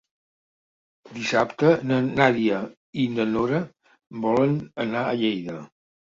Dissabte na Nàdia i na Nora volen anar a Lleida.